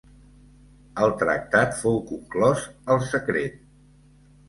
El tractat fou conclòs el secret.